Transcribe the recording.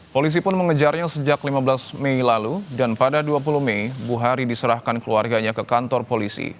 polisi pun mengejarnya sejak lima belas mei lalu dan pada dua puluh mei buhari diserahkan keluarganya ke kantor polisi